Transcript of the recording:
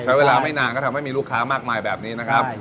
ใช้เวลาไม่นานก็ทำให้มีลูกค้ามากมายแบบนี้นะครับ